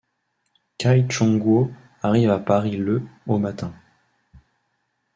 Cai Chongguo arrive à Paris le au matin.